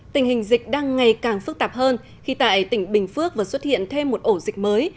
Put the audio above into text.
tình hình dịch đang ngày càng phức tạp hơn khi tại tỉnh bình phước vừa xuất hiện thêm một ổ dịch mới